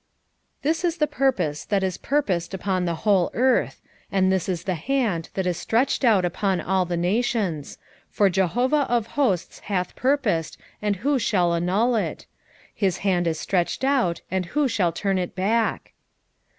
"This is the purpose that is purposed upon the whole earth, and this is the hand that is stretched out upon all the nations; for Jehovah of hosts hath pur posed and who shall annul it ? His hand is stretched out and who shall turn it back?"